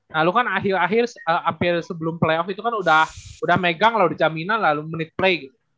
nah lu kan akhir akhir hampir sebelum playoff itu kan udah megang lalu dijaminan lalu menit play gitu